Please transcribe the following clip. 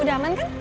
udah aman kan